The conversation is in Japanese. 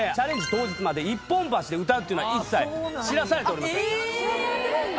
当日まで一本橋で歌うっていうのは一切知らされておりません知らされてないんだ